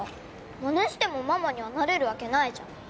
マネしてもママにはなれるわけないじゃん